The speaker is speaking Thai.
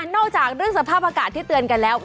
จากเรื่องสภาพอากาศที่เตือนกันแล้ว